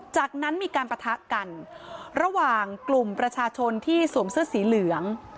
จากนั้นมีการปะทะกันระหว่างกลุ่มประชาชนที่สวมเสื้อสีเหลือง